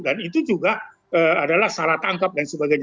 dan itu juga adalah salah tangkap dan sebagainya